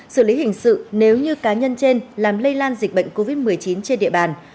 xử lý hình sự nếu như cá nhân trên làm lây lan dịch bệnh covid một mươi chín trên địa bàn